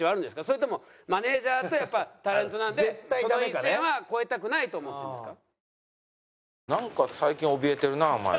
それともマネージャーとやっぱタレントなんでその一線は越えたくないと思ってるんですか？